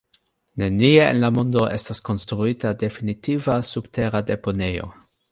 Nenie en la mondo estas konstruita definitiva subtera deponejo.